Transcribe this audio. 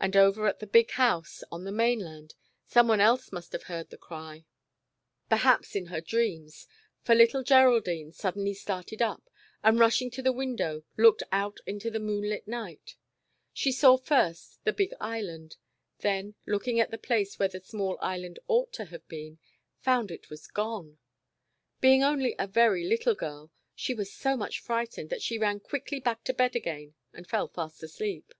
And over at the big house, on the mainland, someone else must have heard the cry, 2i8 The Disobedient Island. perhaps in her dreams, for little Geraldine sud denly started up, and rushing to the window, looked out into the moonlit night. She saw first the big Island, then looking at the place where the small Island ought to have been, found it was gone ! Being only a very little girl, she was so much frightened that she ran quickly back to bed again, and fell fast asleep.